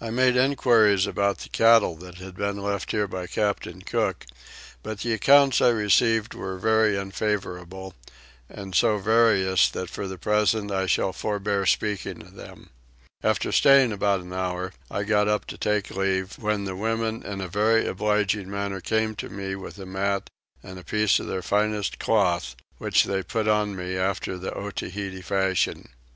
I made enquiries about the cattle that had been left here by Captain Cook, but the accounts I received were very unfavourable and so various that for the present I shall forebear speaking of them. After staying about an hour I got up to take leave, when the women in a very obliging manner came to me with a mat and a piece of their finest cloth, which they put on me after the Otaheite fashion.